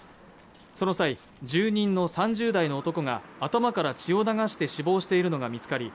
その際、住人の３０代の男が頭から血を流して死亡しているのが見つかり